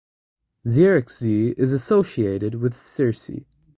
Zierikzee is associated with Circe.